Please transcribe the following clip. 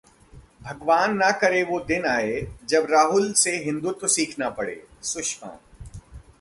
भगवान न करे वो दिन आए, जब राहुल से हिंदुत्व सीखना पड़े: सुषमा